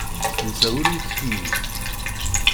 Netta ur yettkeyyif.